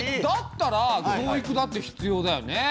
だったら教育だって必要だよね。